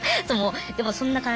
でもそんな感じ。